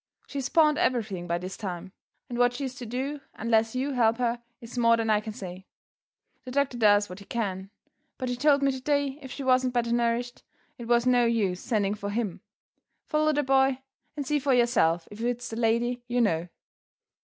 She's pawned everything by this time; and what she's to do unless you help her is more than I can say. The doctor does what he can; but he told me today, if she wasn't better nourished, it was no use sending for him. Follow the boy; and see for yourself if it's the lady you know."